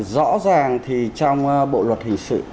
rõ ràng thì trong bộ luật hình sự